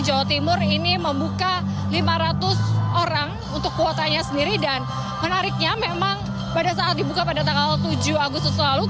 jawa timur ini membuka lima ratus orang untuk kuotanya sendiri dan menariknya memang pada saat dibuka pada tanggal tujuh agustus lalu